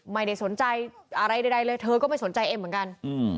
ไม่ได้สนใจอะไรใดเลยเธอก็ไม่สนใจเอ็มเหมือนกันอืม